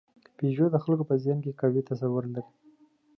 پيژو د خلکو په ذهن کې قوي تصور لري.